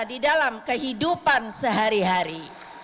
di dalam kehidupan sehari hari